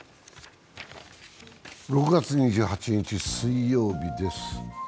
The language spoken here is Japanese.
６月２８日水曜日です。